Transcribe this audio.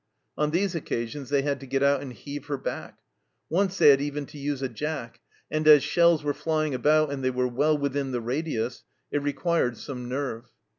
On these occasions they had to get out and heave her back ; once they had even to use a jack, and, as shells were flying about and they were well within the radius, it required some nerve.